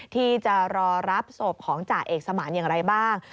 ที่จะรอรับศพของจ่าเอกสมานอย่างไรบ้าง